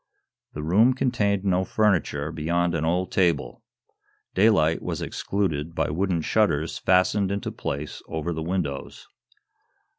The room contained no furniture, beyond an old table. Daylight was excluded by wooden shutters fastened into place over the windows.